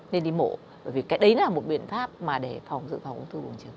nên đi mộ bởi vì cái đấy là một biện pháp mà để dự phòng ung thư bùng trứng